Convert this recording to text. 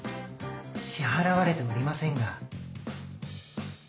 支払われておりませんが。